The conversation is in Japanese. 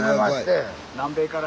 南米から。